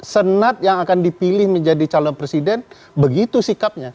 senat yang akan dipilih menjadi calon presiden begitu sikapnya